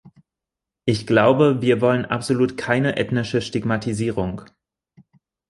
Ich glaube, wir wollen absolut keine ethnische Stigmatisierung.